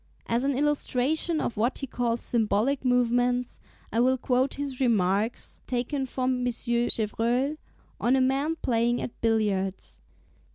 As an illustration of what he calls symbolic movements, I will quote his remarks (p. 37), taken from M. Chevreul, on a man playing at billiards.